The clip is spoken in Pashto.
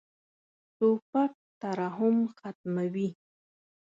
توپک ترحم ختموي.